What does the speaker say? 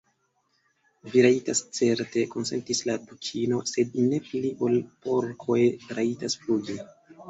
"Vi rajtas certe," konsentis la Dukino, "sed ne pli ol porkoj rajtas flugi.